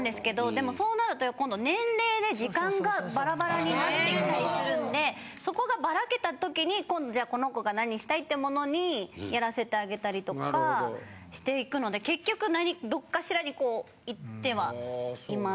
でもそうなると今度年齢で時間がバラバラになってきたりするんでそこがバラけた時に今度じゃあこの子が何したいってものにやらせてあげたりとかしていくので結局どこかしらにこう行ってはいます。